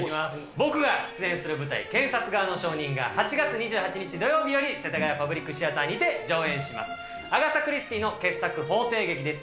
僕が出演する舞台、検察側の証人が８月２８日土曜日より、世田谷パブリックシアターにて上演です。